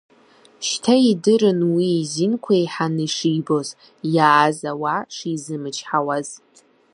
Шьҭа идырын уи изинқәа еиҳаны ишибоз, иааз ауаа шизымычҳауаз.